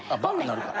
なるから。